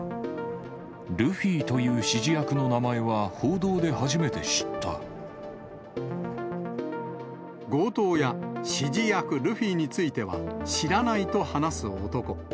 ルフィという指示役の名前は強盗や指示役、ルフィについては知らないと話す男。